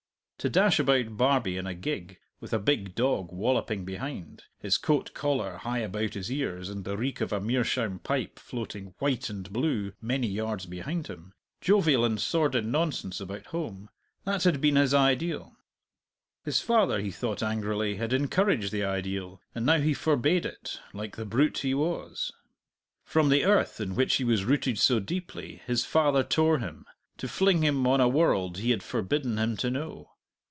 To dash about Barbie in a gig, with a big dog walloping behind, his coat collar high about his ears, and the reek of a meerschaum pipe floating white and blue many yards behind him, jovial and sordid nonsense about home that had been his ideal. His father, he thought angrily, had encouraged the ideal, and now he forbade it, like the brute he was. From the earth in which he was rooted so deeply his father tore him, to fling him on a world he had forbidden him to know.